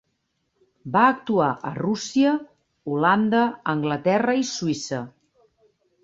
Va actuar a Rússia, Holanda, Anglaterra i Suïssa.